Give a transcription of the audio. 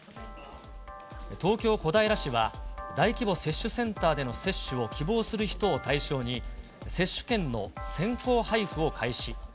東京・小平市は、大規模接種センターでの接種を希望する人を対象に、接種券の先行配布を開始。